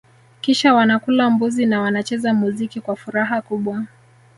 Kisha wanakula mbuzi na wanacheza muziki kwa furaha kubwa